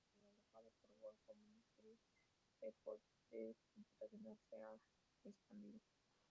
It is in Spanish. Mientras es alojado por "World Community Grid", el poder computacional se ha expandido.